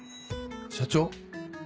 社長。